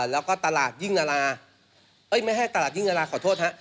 แล้วก็ตลาดยิ่งนาราเอ้ยไม่ให้ตลาดยิ่งนาราขอโทษฮะ